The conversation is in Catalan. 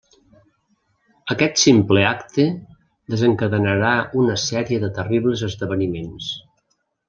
Aquest simple acte desencadenarà una sèrie de terribles esdeveniments.